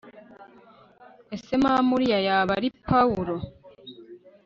Ese mama uriya yaba ari Pawulo